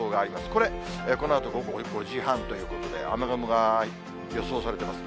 これ、このあと午後５時半ということで、雨雲が予想されてます。